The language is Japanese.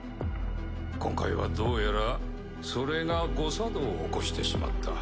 今回はどうやらそれが誤作動を起こしてしまった。